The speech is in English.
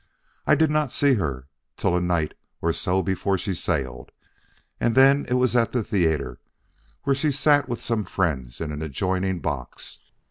I did not see her till a night or so before she sailed, and then it was at the theater, where she sat with some friends in an adjoining box.